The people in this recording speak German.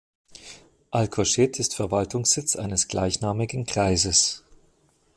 Alcochete ist Verwaltungssitz eines gleichnamigen Kreises.